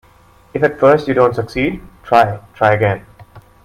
If at first you don't succeed, try, try again.